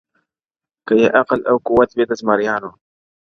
• که یې عقل او قوت وي د زمریانو -